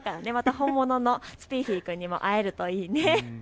本物のスピーフィ君に会えるといいね。